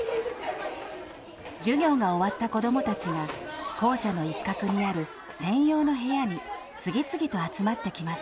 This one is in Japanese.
授業が終わった子どもたちが校舎の一角にある専用の部屋に次々と集まってきます。